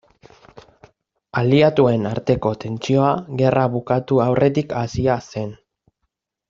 Aliatuen arteko tentsioa gerra bukatu aurretik hasia zen.